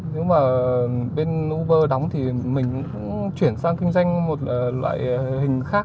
nếu mà bên uver đóng thì mình cũng chuyển sang kinh doanh một loại hình khác